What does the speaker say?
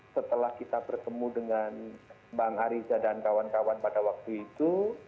setelah kita bertemu dengan bang ariza dan kawan kawan pada waktu itu